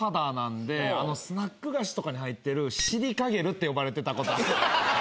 スナック菓子とかに入ってる。って呼ばれてたことは。